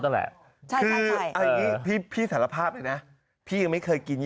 นั่นแหละใช่คืออันนี้พี่พี่สารภาพเลยน่ะพี่ยังไม่เคยกิน